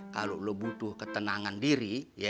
kalau lo butuh ketenangan diri